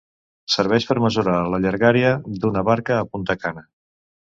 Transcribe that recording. Serveix per mesurar la llargària d'una barca a Punta Cana.